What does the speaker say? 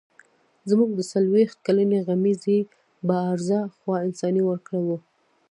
زموږ د څلوېښت کلنې غمیزې بارزه خوا انساني ورکه وه.